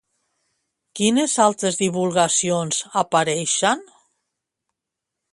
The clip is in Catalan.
Quines altres divulgacions apareixen?